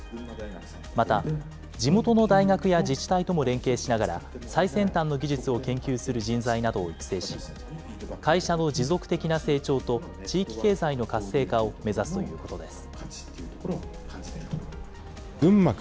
また地元の大学や自治体とも連携しながら、最先端の技術を研究する人材などを育成し、会社の持続的な成長と、地域経済の活性化を目指すということです。